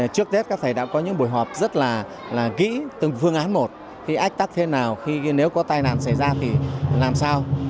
trước tết các thầy đã có những buổi họp rất là kỹ từng phương án một cái ách tắc thế nào khi nếu có tai nạn xảy ra thì làm sao